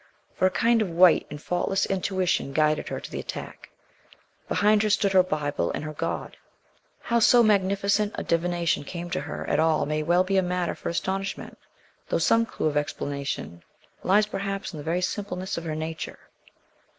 For a kind of white and faultless intuition guided her to the attack. Behind her stood her Bible and her God. How so magnificent a divination came to her at all may well be a matter for astonishment, though some clue of explanation lies, perhaps, in the very simpleness of her nature.